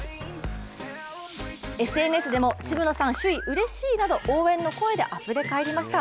ＳＮＳでも渋野さん、首位うれしいなど応援の声であふれかえりました。